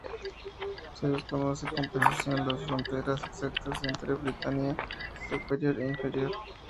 Se desconoce con precisión las fronteras exactas entre la Britania Superior e Inferior.